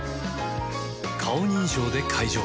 顔認証で解錠